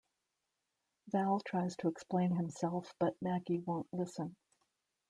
Val tries to explain himself but Maggie won't listen.